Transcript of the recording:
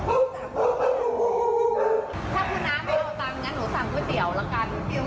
โอเคนะคะเดี๋ยวหนูจ่ายเกินแต่ก่อนเลยค่ะ